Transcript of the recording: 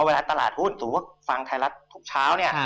เวลาตลาดหุ้นสมมุติฟังไทยรัฐทุกเช้าเนี่ย